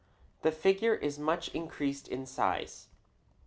The figure is much increased in size.